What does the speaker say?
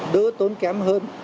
đỡ tốn kém hơn